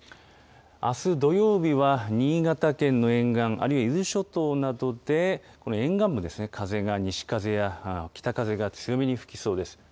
あす土曜日は、新潟県の沿岸、あるいは伊豆諸島などで、この沿岸部ですね、風が西風や北風が強めに吹きそうです。